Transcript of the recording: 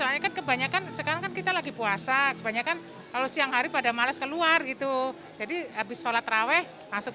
dengan menerima vaksin dosis ketiga ini rita pun merasa lebih aman